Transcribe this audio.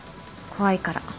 怖いから